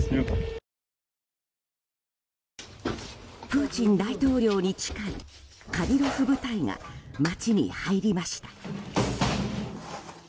プーチン大統領に近いカディロフ部隊が街に入りました。